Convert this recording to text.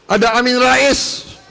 ada amin rais